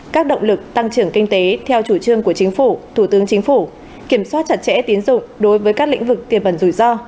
các động lực tăng trưởng kinh tế theo chủ trương của chính phủ thủ tướng chính phủ kiểm soát chặt chẽ tín dụng đối với các lĩnh vực tiềm ẩn rủi ro